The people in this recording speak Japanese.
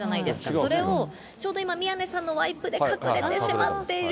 それをちょうど今、宮根さんのワイプで隠れてしまっている。